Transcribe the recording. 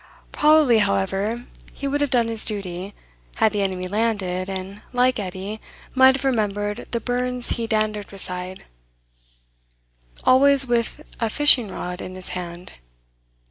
Probably, however, he would have done his duty, had the enemy landed, and, like Edie, might have remembered the "burns he dandered beside," always with a fishingrod in his hand.